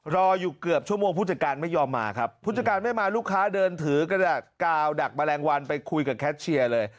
รออยู่เกือบชั่วโมงผู้จัดการไม่ยอมมาครับผู้จัดการไม่มาลูกค้าเดินถือกระดาษกาวดักแมลงวันไปคุยกับแคชเชียร์เลย